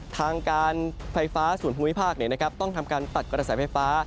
ทางการไฟฟ้าส่วนภูมิภาคต้องทำการตัดกระแสไฟฟ้า